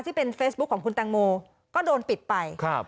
ที่เป็นเฟซบุ๊คของคุณแตงโมก็โดนปิดไปครับ